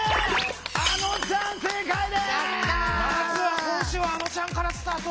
まずは今週はあのちゃんからスタート！